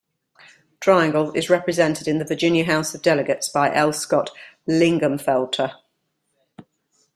Triangle is represented in the Virginia House of Delegates by L. Scott Lingamfelter.